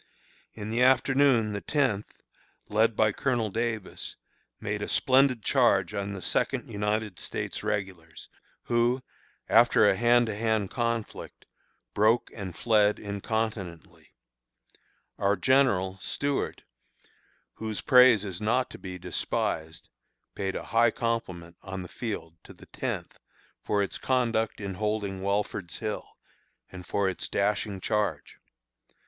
In the afternoon the Tenth, led by Colonel Davis, made a splendid charge on the Second United States Regulars, who, after a hand to hand conflict, broke and fled incontinently. Our General (Stuart), whose praise is not to be despised, paid a high compliment on the field to the Tenth for its conduct in holding Welford's Hill, and for its dashing charge.